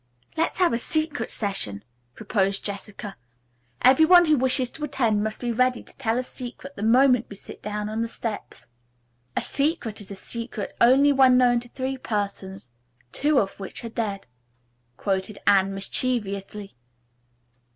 "Let's have a 'secret' session," proposed Jessica. "Every one who wishes to attend must be ready to tell a secret the moment we sit down on the steps." "'A secret is a secret, only, when known to three persons, two of which are dead,'" quoted Anne mischievously.